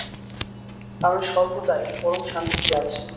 আমি সর্বদাই পরম শান্তিতে আছি।